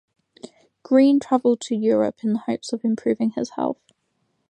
Greene traveled to Europe in the hopes of improving his health.